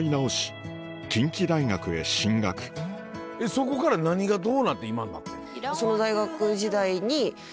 そこから何がどうなって今になってるの？